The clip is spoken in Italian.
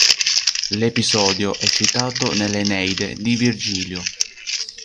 L'episodio è citato nell"'Eneide" di Virgilio.